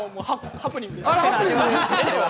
ハプニングです。